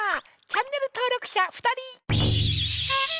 チャンネル登録者２人！